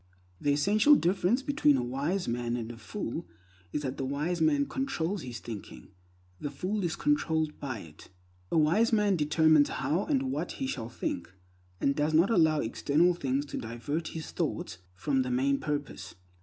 The essential difference between a wise man and a fool is that the wise man controls his thinking, the fool is controlled by it. A wise man determines how and what he shall think, and does not allow external things to divert his thought from the main purpose.